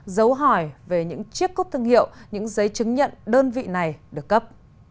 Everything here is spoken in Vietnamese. giấu hỏi về những chiếc cúp thương hiệu những giấy chứng nhận đơn vị này được cấp